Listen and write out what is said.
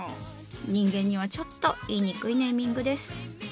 人間にはちょっと言いにくいネーミングです。